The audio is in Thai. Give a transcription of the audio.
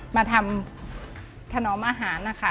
มาทำถนอมอาหารนะคะ